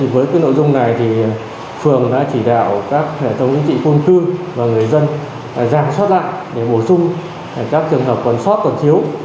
với cái nội dung này thì phường đã chỉ đạo các hệ thống chính trị khuôn cư và người dân giảm soát lại để bổ sung các trường hợp còn soát còn thiếu